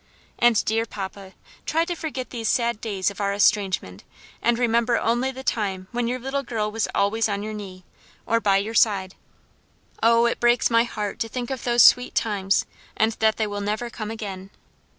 And, dear papa, try to forget these sad days of our estrangement, and remember only the time when your little girl was always on your knee, or by your side. Oh! it breaks my heart to think of those sweet times, and that they will never come again!